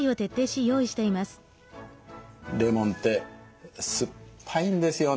レモンって酸っぱいんですよね。